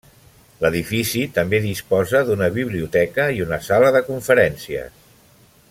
L'edifici també disposa d'una biblioteca i una sala de conferències.